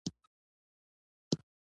زیاته پاملرنه ورته شوې ده.